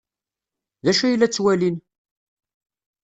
D acu ay la ttwalin?